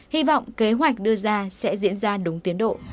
hy vọng kế hoạch đưa ra sẽ diễn ra đúng tiến độ